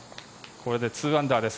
これで２アンダーです。